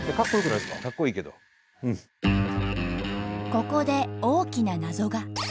ここで大きな謎が。